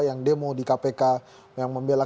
yang demo di kpk yang membela